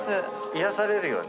癒やされるよね。